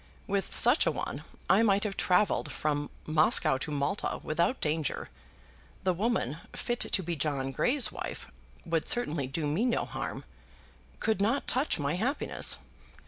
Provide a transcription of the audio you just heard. With such a one I might have travelled from Moscow to Malta without danger. The woman fit to be John Grey's wife would certainly do me no harm, could not touch my happiness.